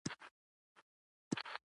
ستاسو ذهن له اندیښنو څخه لرې کوي.